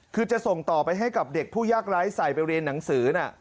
คือจะส่งต่อไปให้กับเด็กผู้ยากร้ายใส่ไปเรียนหนังสือนะ